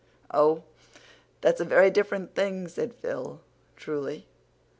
"Oh, that's a very different thing," said Phil, truly.